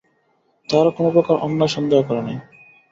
তাহারা কোনোপ্রকার অন্যায় সন্দেহ করে নাই।